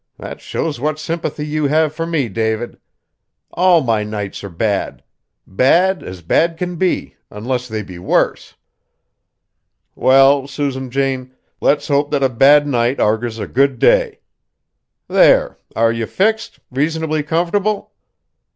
that shows what sympathy you have for me, David. All my nights are bad. Bad as bad can be, unless they be worse!" "Well, Susan Jane, let's hope that a bad night argers a good day. There! are ye fixed, reasonably comfortable?